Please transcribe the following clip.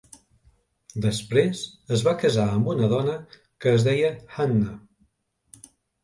Després es va casar amb una dona que es deia Hanna.